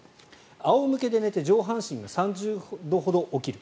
仰向けで寝て上半身が３０度ほど起きる。